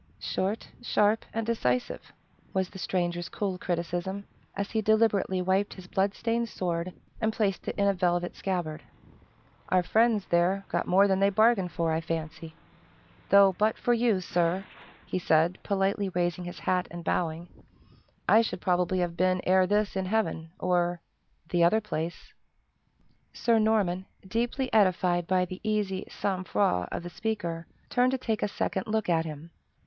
"Short, sharp, and decisive!" was the stranger's cool criticism, as he deliberately wiped his blood stained sword, and placed it in a velvet scabbard. "Our friends, there, got more than they bargained for, I fancy. Though, but for you, Sir," he said, politely raising his hat and bowing, "I should probably have been ere this in heaven, or the other place." Sir Norman, deeply edified by the easy sang froid of the speaker, turned to take a second look at him.